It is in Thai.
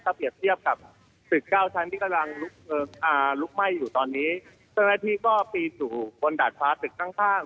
ถ้าเปรียบเทียบกับตึกเก้าชั้นที่กำลังลุกไหม้อยู่ตอนนี้เจ้าหน้าที่ก็ปีนอยู่บนดาดฟ้าตึกข้างข้าง